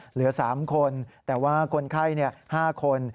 เหลือ๓คนแต่ว่าคนไข้๕คน